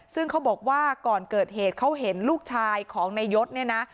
ซึ่งเขาบอกว่าก่อนเกิดเหตุเขาเห็นลูกชายของนายยศเนี่ยนะ